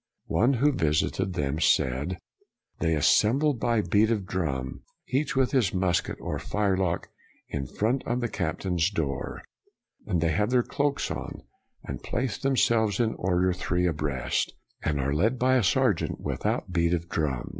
One who visited them said, " They assemble by beat of drum, each with his musket or firelock, in front of the captain's door; they have their cloaks on, and place them selves in order three abreast, and are led by a sergeant without beat of drum.